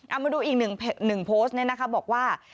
เอามาดูอีก๑โพสต์นะครับบอกว่า